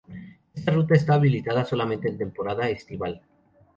Esta ruta está habilitada solamente en temporada estival.